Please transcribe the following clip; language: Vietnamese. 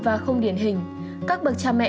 và không điển hình các bậc cha mẹ